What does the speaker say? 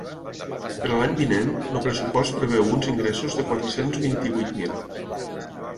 Per a l’any vinent, el pressupost preveu uns ingressos de quatre-cents vint-i-vuit mil.